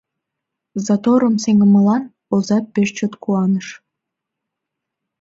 Заторым сеҥымылан оза пеш чот куаныш...